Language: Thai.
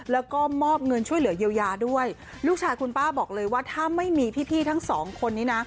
แล้วก็มอบเงินช่วยเหลือเยียวยาด้วยลูกชายคุณป้าบอกเลยว่าถ้าไม่มีพี่พี่ทั้งสองคนนี้นะ